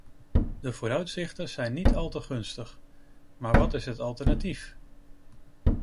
De vooruitzichten zijn niet al te gunstig, maar wat is het alternatief?